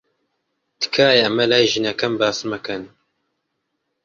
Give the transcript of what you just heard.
تکایە ئەمە لای ژنەکەم باس مەکەن.